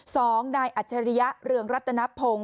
สองนายอัจฉริยะเรืองรัตนพงศ์